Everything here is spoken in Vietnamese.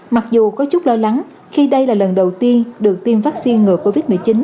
mặc dù có chút lo lắng khi đây là lần đầu tiên được tiêm vaccine ngừa covid một mươi chín